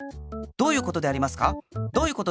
どういうことでありますか？